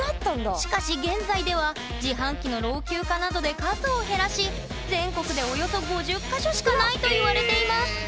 しかし現在では自販機の老朽化などで数を減らし全国でおよそ５０か所しかないといわれていますえ。